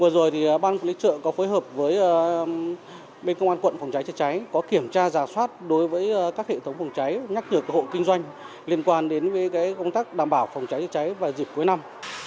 vừa rồi thì ban quản lý chợ có phối hợp với bên công an quận phòng cháy chữa cháy có kiểm tra giả soát đối với các hệ thống phòng cháy nhắc nhở hộ kinh doanh liên quan đến công tác đảm bảo phòng cháy chữa cháy vào dịp cuối năm